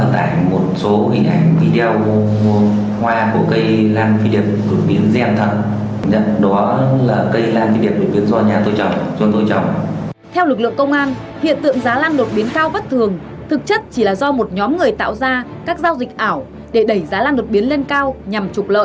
theo lực lượng công an hiện tượng giá lan đột biến cao bất thường thực chất chỉ là do một nhóm người tạo ra các giao dịch ảo để đẩy giá lan đột biến lên cao nhằm trục lợi